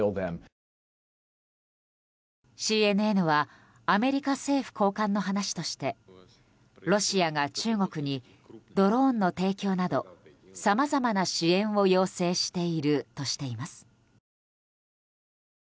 ＣＮＮはアメリカ政府高官の話としてロシアが中国にドローンの提供などさまざまな支援を要請しているとしています。